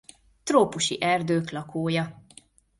Trópusi erdők lakója.